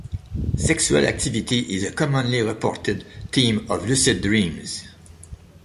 Sexual activity is a commonly reported theme of lucid dreams.